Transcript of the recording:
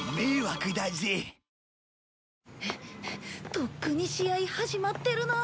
とっくに試合始まってるな。